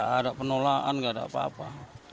tidak ada penolakan tidak ada apa apa